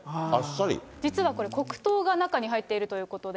実はこれ、黒糖が中に入っているということで。